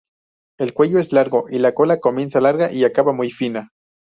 El cuello es largo y la cola comienza larga y acaba muy fina.